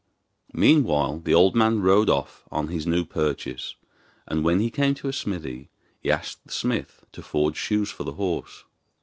Meanwhile the old man rode off on his new purchase, and when he came to a smithy he asked the smith to forge shoes for the horse.